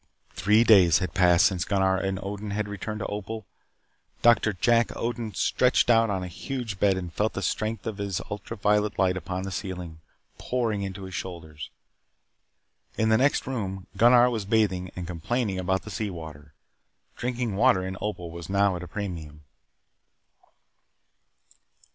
Three days had passed since Gunnar and Odin had returned to Opal. Doctor Jack Odin stretched out on a huge bed and felt the strength of the ultra violet light upon the ceiling pour into his shoulders. In the next room, Gunnar was bathing and complaining about the sea water. Drinking water in Opal was now at a premium.